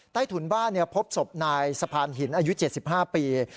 ใต้ถุนบ้านเนี่ยพบศพนายสะพานหินอายุ๗๕ปี